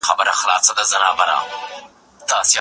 پلار د کورنۍ غمونه کموي.